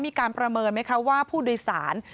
มีการประเมินไหมคะว่าผู้โดยสาร